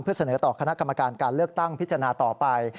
เสนอต่อคณะกรรมการการเลือกตั้งพิจารณาต่อไป